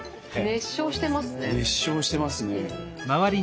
熱唱してますね。